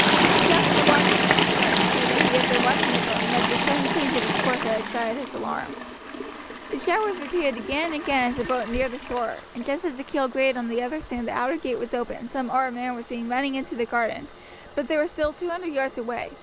A shout from the watchman on the turret showed that he had been watching the boat and that this sudden change of its course had excited his alarm. The shout was repeated again and again as the boat neared the shore, and just as the keel grated on the sand the outer gate was opened and some armed men were seen running into the garden, but they were still two hundred yards away.